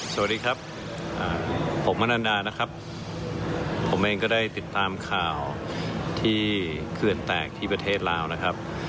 สวัสดีครับผมมนันดานะครับผมเองก็ได้ติดตามข่าวที่เขื่อนแตกที่ประเทศลาวนะครับ